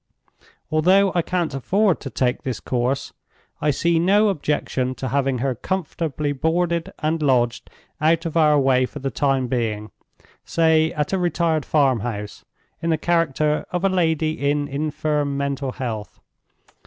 Although I can't afford to take this course, I see no objection to having her comfortably boarded and lodged out of our way for the time being—say, at a retired farm house, in the character of a lady in infirm mental health.